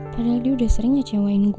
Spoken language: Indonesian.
padahal dia udah sering ngecewain gue